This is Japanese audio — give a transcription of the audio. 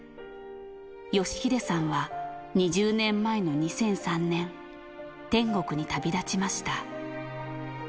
良英さんは２０年前の２００３年、天国に旅立ちました。